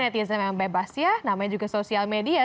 di sana memang bebas ya namanya juga sosial media